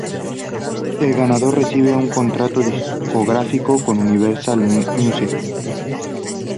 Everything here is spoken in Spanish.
El ganador recibe un contrato discográfico con Universal Music.